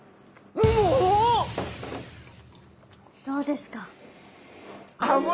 どうですか？